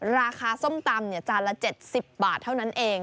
ส้มตำจานละ๗๐บาทเท่านั้นเอง